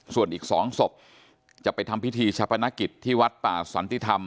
ส่วนอีก๒ศพจะไปทำพิธีชะพนักกิจที่วัดป่าสันติธรรม